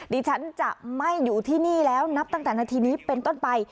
ดิฉันจะไม่อยู่ที่นี่แล้วนับตั้งแต่นาทีนี้เป็นต้นไป